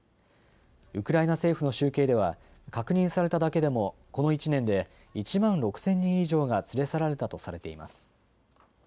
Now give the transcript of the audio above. ウクライナ政府の集計では確認されただけでもこの１年で１万６０００人以上が連れ去られたとされています。